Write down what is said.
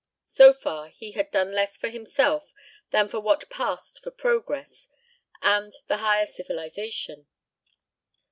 So far he had done less for himself than for what passed for progress and the higher civilization.